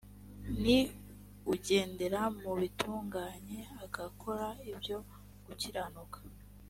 ni ugendera mu bitunganye agakora ibyo gukiranuka